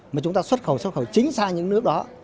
mà chúng ta xuất khẩu xuất khẩu chính sang những nước đó